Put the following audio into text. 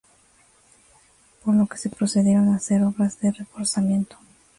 Por lo que se procedieron a hacer obras de reforzamiento.